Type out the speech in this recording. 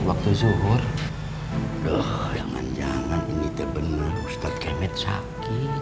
aduh jangan jangan ini terbenar ustadz kemet sakit